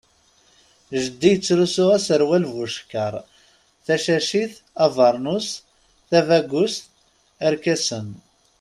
Jeddi yettlusu aserwal bucekkaṛ, tacacit, abernus, tabagust, arkasen.